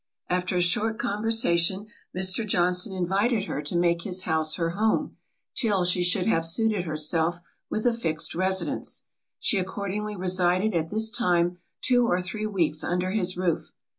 After a short conversation, Mr. Johnson invited her to make his house her home, till she should have suited herself with a fixed residence. She accordingly resided at this time two or three weeks under his roof.